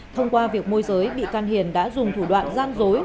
thông qua việc môi giới bị can hiền đã dùng thủ đoạn gian dối